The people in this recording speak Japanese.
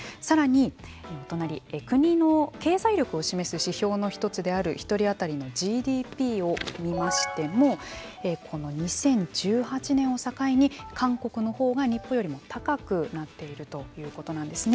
さらに隣経済力を占める指標の１つである１人当たりのＧＤＰを見ましてもこの２０１８年を境に韓国のほうが日本よりも高くなっているということなんですね。